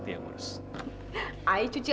saya mau cepat selucuk